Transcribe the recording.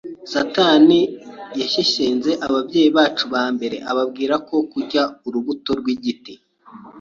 Satani yashyeshyenze ababyeyi bacu ba mbere ababwira ko mu kurya urubuto rw’igiti